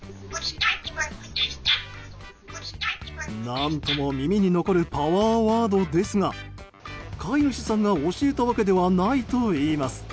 何とも耳に残るパワーワードですが飼い主さんが教えたわけではないといいます。